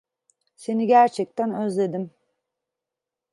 Seni gerçekten özledim.